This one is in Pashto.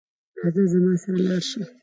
راځه زما سره لاړ شه